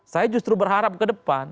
saya justru berharap kedepan